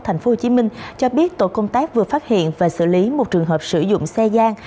tp hcm cho biết tổ công tác vừa phát hiện và xử lý một trường hợp sử dụng xe gian